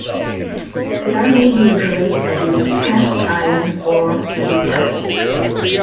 They are made usually of either cast iron or heavy brass.